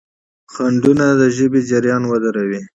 خنډونه د ژبې جریان ودروي.